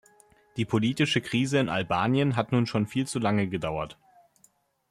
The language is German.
Die politische Krise in Albanien hat nun schon viel zu lange gedauert.